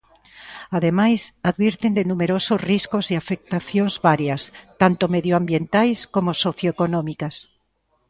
Ademais, advirten de numerosos riscos e afectacións varias, tanto medioambientais como socioeconómicas.